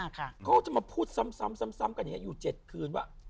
เขาก็จะมาพูดซ้ำกันอย่างนี้อยู่๗คืนว่า